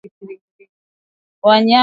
Wanyama wanapotembea pamoja